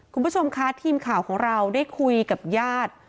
คุณผู้ชมคะทีมข่าวของเราได้คุยกับญาติ